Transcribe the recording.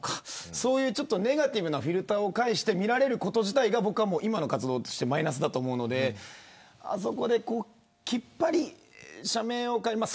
遭われたのかなとかネガティブなフィルターを介して見られること自体が今の活動としてマイナスだと思うのであそこできっぱりと社名を変えますと。